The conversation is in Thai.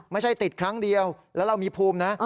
ไม่ใช่ติดครั้งเดียวแล้วเรามีภูมินะ